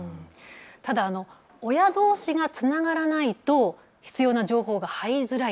ただ親どうしがつながらないと必要な情報が入りづらい、